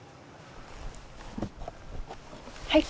はい！